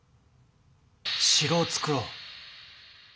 城を造ろう。